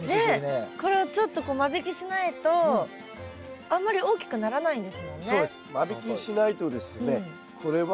これをちょっと間引きしないとあんまり大きくならないんですもんね。